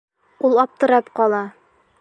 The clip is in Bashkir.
Ул аптырап ҡала.